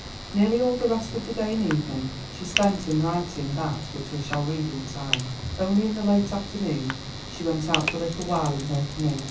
Nearly all the rest of the day and evening she spent in writing that which we shall read in time—only in the late afternoon she went out for a little while in her canoe.